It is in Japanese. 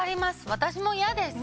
私も嫌です！